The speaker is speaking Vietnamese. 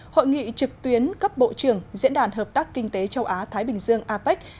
hội nghị trực tuyến cấp bộ trưởng diễn đàn hợp tác kinh tế châu á thái bình dương apec